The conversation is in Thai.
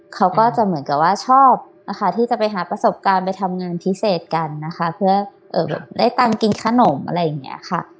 เขาก็จะเหมือนกับว่าชอบนะคะที่จะไปหาประสบการณ์ไปทำงานพิเศษกันนะคะเพื่อได้ตังค์กินขนมอะไรอย่างนี้ค่ะ